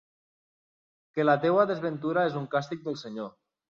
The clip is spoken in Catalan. Que la teua desventura és un càstig del Senyor.